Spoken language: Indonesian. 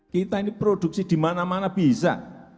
kita ini produksi di mana mana bisa